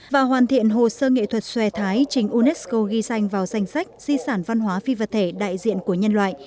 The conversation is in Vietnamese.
và hoàn thiện hồ sơ nghệ thuật xòe thái trình unesco ghi danh vào danh sách di sản văn hóa phi vật thể đại diện của nhân loại